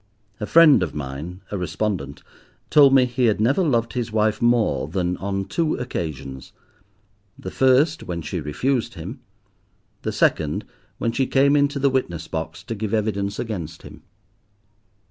A friend of mine, a respondent, told me he had never loved his wife more than on two occasions—the first when she refused him, the second when she came into the witness box to give evidence against him.